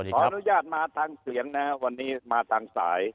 ขออนุญาตมาทางเสียงนะครับวันนี้มาทางสาย